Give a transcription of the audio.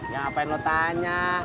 ya apa yang lo tanya